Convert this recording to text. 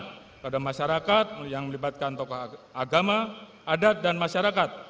kepada masyarakat yang melibatkan tokoh agama adat dan masyarakat